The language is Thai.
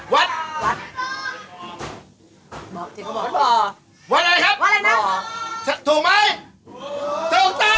วัดวัดวัดอะไรครับวัดอะไรนะถูกไหมถูกต้อง